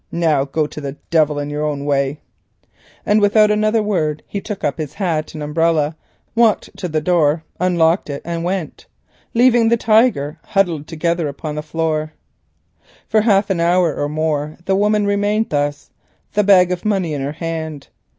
Now go to the devil in your own way," and without another word he took up his hat and umbrella, walked to the door, unlocked it and went, leaving the Tiger huddled together upon the floor. For half an hour or more the woman remained thus, the bag of money in her hand.